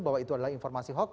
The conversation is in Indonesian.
bahwa itu adalah informasi hoax